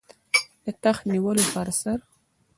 د تخت نیولو پر سر.